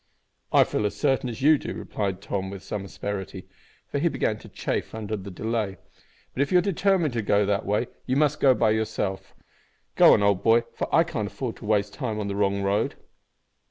"I feel as certain as you do," replied Tom with some asperity, for he began to chafe under the delay. "But if you are determined to go that way you must go by yourself, old boy, for I can't afford to waste time on a wrong road."